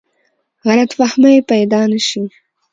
غلط فهمۍ پیدا نه شي.